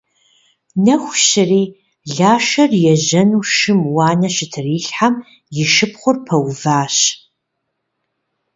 Нэху щыри, Лашэр ежьэну шым уанэ щытрилъхьэм, и шыпхъур пэуващ.